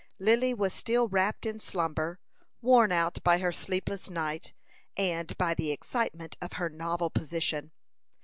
Lily was still wrapped in slumber, worn out by her sleepless night, and by the excitement of her novel position.